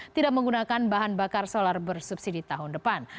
tidak menggunakan bahan bakar solar bersubsidi tahun depan